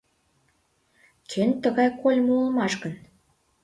— Кӧн тыгай кольмо улмаш гын?